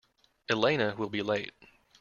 Elena will be late.